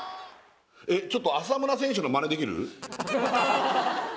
ちょっと浅村選手のマネできる？